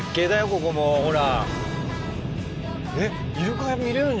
ここもほら。